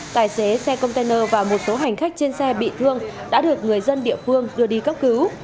tài xế xe container và một số hành khách trên xe bị thương đã được người dân địa phương đưa đi cấp cứu